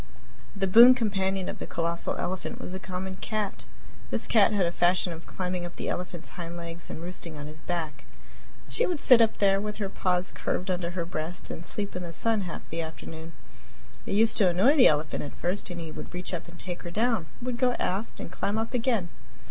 The boon companion of the colossal elephant was a common cat! This cat had a fashion of climbing up the elephant's hind legs and roosting on his back. She would sit up there, with her paws curved under her breast, and sleep in the sun half the afternoon. It used to annoy the elephant at first, and he would reach up and take her down, but she would go aft and climb up again.